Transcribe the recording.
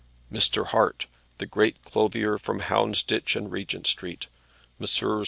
Mr. Hart the great clothier from Houndsditch and Regent Street, Messrs.